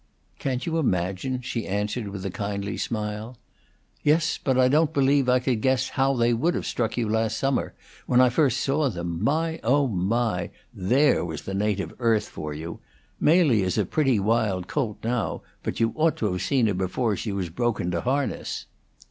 "Can't you imagine?" she answered, with a kindly, smile. "Yes; but I don't believe I could guess how they would have struck you last summer when I first saw them. My! oh my! there was the native earth for you. Mely is a pretty wild colt now, but you ought to have seen her before she was broken to harness.